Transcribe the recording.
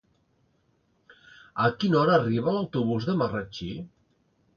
A quina hora arriba l'autobús de Marratxí?